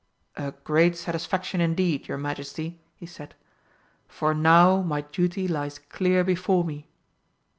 "A great satisfaction indeed, your Majesty," he said, "for now my duty lies clear before me."